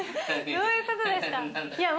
どういうことですか！